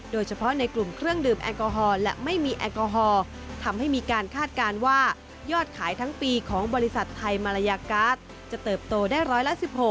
โดยเฉพาะในกลุ่มเครื่องดื่มแอลกอฮอลและไม่มีแอลกอฮอล์ทำให้มีการคาดการณ์ว่ายอดขายทั้งปีของบริษัทไทยมารยากาศจะเติบโตได้ร้อยละ๑๖